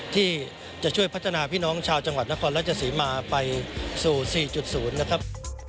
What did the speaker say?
ที่จะช่วยพัฒนาพี่น้องชาวจังหวัดนครราชศรีมาไปสู่๔๐นะครับ